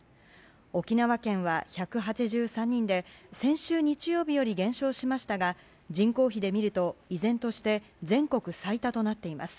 沖縄県は１８３人で先週日曜日より減少しましたが人口比で見ると依然として全国最多となっています。